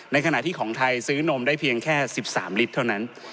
ขณะที่ของไทยซื้อนมได้เพียงแค่๑๓ลิตรเท่านั้น